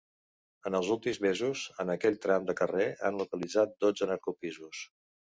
En els últims mesos, en aquell tram de carrer han localitzat dotze narcopisos.